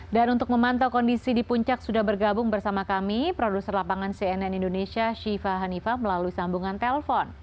dan untuk memantau kondisi di puncak sudah bergabung bersama kami produser lapangan cnn indonesia syifa hanifah melalui sambungan telpon